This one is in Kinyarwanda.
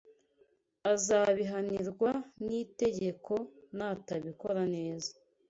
azabihanirwa n’itegeko, natabikora neza